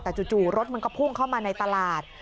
แต่จู่รถมันก็พุ่งเข้ามาในตลาด